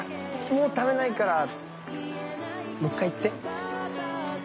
もうためないからもう一回言って。